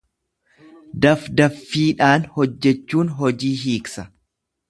Dafdaffiidhaan hojjechuun hojii hiiksa.